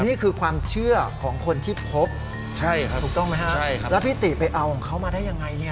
อันนี้คือความเชื่อของคนที่พบถูกต้องไหมครับแล้วพี่ตีไปเอาของเขามาได้ยังไงเนี่ย